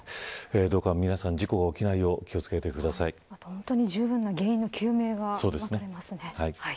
どうか皆さん、事故が起きないようじゅうぶんな原因の究明が待たれます。